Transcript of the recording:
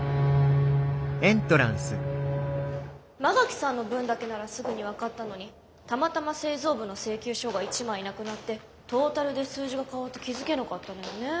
馬垣さんの分だけならすぐに分かったのにたまたま製造部の請求書が１枚なくなってトータルで数字が変わって気付けなかったのよねえ。